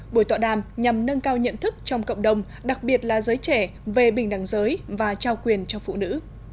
buổi tọa đàm nhằm nâng cao nhận thức trong cộng đồng đặc biệt là giới trẻ về bình đẳng giới và trao quyền cho phụ nữ